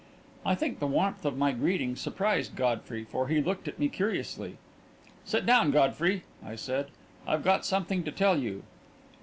I think the warmth of my greeting surprised Godfrey, for he looked at me curiously. "Sit down, Godfrey," I said. "I've got something to tell you."